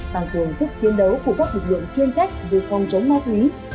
tăng cường giúp chiến đấu của các lực lượng chuyên trách luật phòng chống ma túy